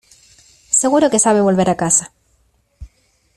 seguro que sabe volver a casa.